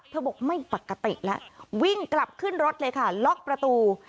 บอกไม่ปกติแล้ววิ่งกลับขึ้นรถเลยค่ะล็อกประตู